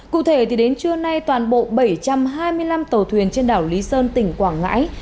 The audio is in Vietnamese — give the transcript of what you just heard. cụ thể đến trưa nay toàn bộ bảy trăm hai mươi năm tàu thuyền trên đảo lý sơn tỉnh quảng ngãi